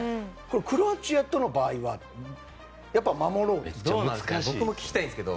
クロアチアとの場合は守ろうですか？